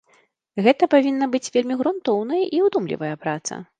Гэта павінна быць вельмі грунтоўная і ўдумлівая праца.